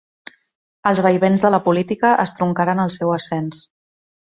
Els vaivens de la política estroncaren el seu ascens.